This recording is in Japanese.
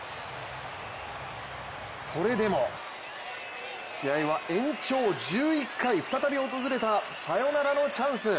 それでも試合は延長１１回、再び訪れたサヨナラのチャンス。